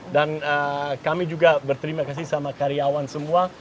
dan kami juga berterima kasih sama karyawan semua